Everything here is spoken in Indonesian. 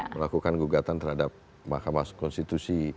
melakukan gugatan terhadap mahkamah konstitusi